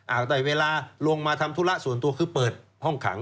ได้เวลาลงมาทำธุระส่วนตัวคือเปิดห้องขัง